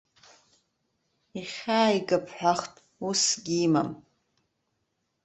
Ихьааига бҳәахт, уссгьы имам.